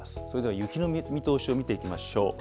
それでは雪の見通しを見ていきましょう。